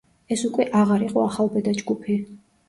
ეს უკვე აღარ იყო ახალბედა ჯგუფი.